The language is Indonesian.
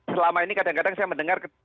selama ini kadang kadang saya mendengar